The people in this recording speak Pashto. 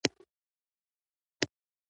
بالا حصار د لوګر د درې په خوله کې پروت دی.